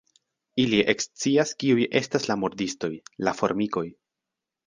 Ili ekscias kiuj estas la murdistoj: la formikoj.